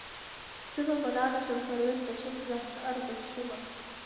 زه به ملاله شم پروین به شم زهره به شمه